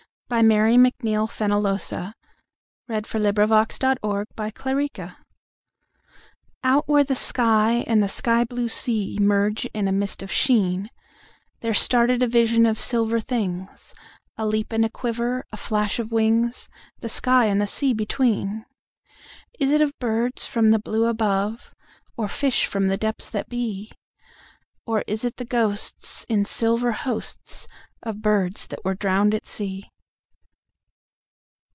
By Mary McNeilFenollosa 1646 Flying Fish OUT where the sky and the sky blue seaMerge in a mist of sheen, There started a vision of silver things,A leap and a quiver, a flash of wingsThe sky and the sea between. Is it of birds from the blue above, Or fish from the depths that be? Or is it the ghostsIn silver hostsOf birds that were drowned at sea?